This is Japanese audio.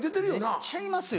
めっちゃいますよ。